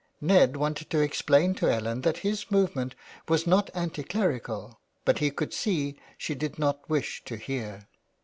Ned wanted to explain to Ellen that his movement was not anti clerical, but he could see she did not wish to hear.